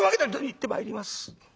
「行ってまいります。